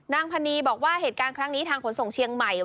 นางพนีบอกว่าเหตุการณ์ครั้งนี้ทางขนส่งเชียงใหม่